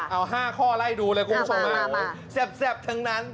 เอา๕ข้อไล่ดูเลยคุณผู้ชมแซ่บทั้งนั้น